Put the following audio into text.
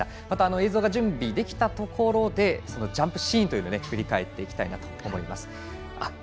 また映像が準備できたところでジャンプシーンを振り返っていきたいと思います。